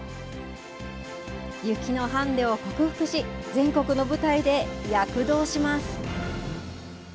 雪のハンデを克服し、全国の舞台で躍動します。